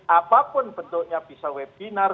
apapun bentuknya bisa webinar